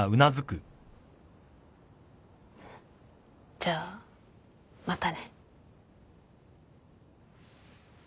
じゃあまたね。